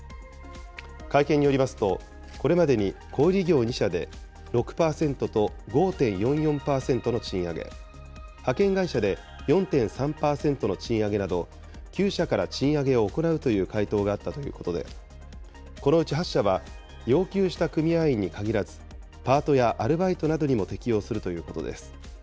会見によりますと、これまでに小売り業２社で６％と５．４４％の賃上げ、派遣会社で４．３％の賃上げなど、９社から賃上げを行うという回答があったということで、このうち８社は、要求した組合員に限らず、パートやアルバイトなどにも適用するということです。